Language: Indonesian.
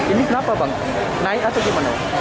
ini kenapa bang naik atau gimana